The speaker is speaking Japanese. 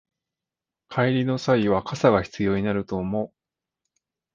帰りの際は傘が必要になると思う